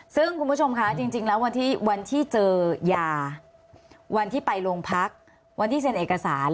ซึ่งคุณผู้ชมคะจริงแล้ววันที่เจอยาวันที่ไปโรงพักวันที่เซ็นเอกสาร